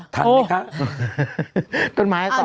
ทันเลยค่ะต้นไม้ให้เกาะ